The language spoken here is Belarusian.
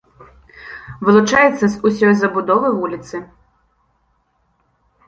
Вылучаецца з усёй забудовы вуліцы.